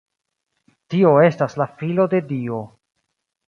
Tio estas la Filo de Dio.